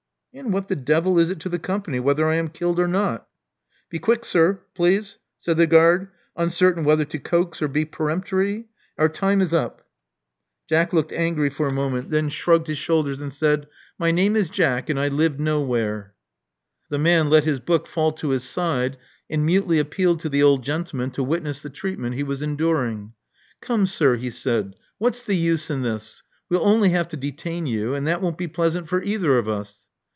And what the devil is it to the Company whether I am killed or not?" Be quick, sir, please," said the guard, uncertain whether to coax or be peremptory. Our time is, up. " Jack looked angry for a moment; then shrugged his 64 Love Among the Artists shoulders and said, My name is Jack; and I live nowhere. The man let his book fall to his side, and mutely appealed to the old gentleman to witness the treat ment he was enduring. Come, sir, he said, what*s the use in this? We*ll only have to detain you; and that won't be pleasant for either of us.